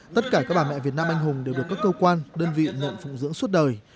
tất cả các bà mẹ việt nam anh hùng đều được các cơ quan đơn vị nhận phụng dưỡng suốt đời